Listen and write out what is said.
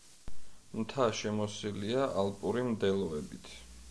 მთა შემოსილია ალპური მდელოებით.